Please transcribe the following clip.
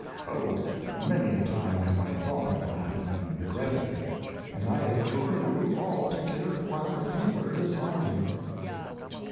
Oh, many a time have I thought of that and regretted it, and I adjure you all to give while the fever is on you.